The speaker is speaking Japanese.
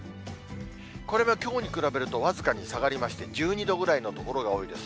これはきょうに比べると僅かに下がりまして、１２度ぐらいの所が多いです。